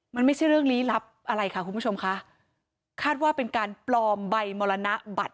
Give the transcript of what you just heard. มันไม่ใช่เรื่องลี้ลับอะไรค่ะคุณผู้ชมค่ะคาดว่าเป็นการปลอมใบมรณบัตร